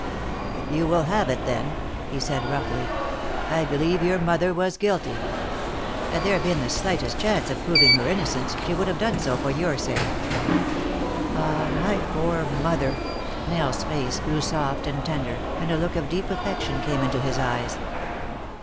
"If you will have it, then," he said roughly, "I believe your mother was guilty. Had there been the slightest chance of proving her innocence, she would have done so for your sake." "Ah! my poor mother!" Nell's face grew soft and tender, and a look of deep affection came into his eyes.